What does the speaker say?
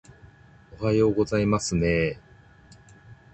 おはようございますねー